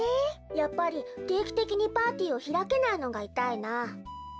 やっぱりていきてきにパーティーをひらけないのがいたいな。